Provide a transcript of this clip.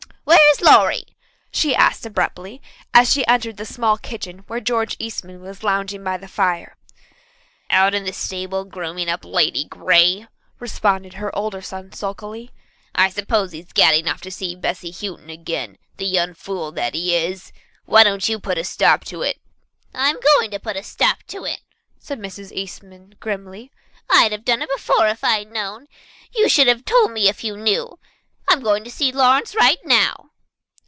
"Where is Lawrie?" she asked abruptly; as she entered the small kitchen where George Eastman was lounging by the fire. "Out in the stable grooming up Lady Grey," responded her older son sulkily. "I suppose he's gadding off to see Bessy Houghton again, the young fool that he is! Why don't you put a stop to it?" "I am going to put a stop to it," said Mrs. Eastman grimly. "I'd have done it before if I'd known. You should have told me of it if you knew. I'm going out to see Lawrence right now."